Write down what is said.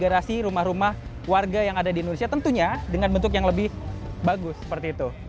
mobil ini akan ada di garasi rumah rumah warga yang ada di indonesia tentunya dengan bentuk yang lebih bagus seperti itu